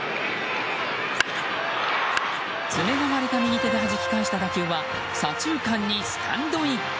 爪が割れた右手ではじき返した打球は左中間にスタンドイン。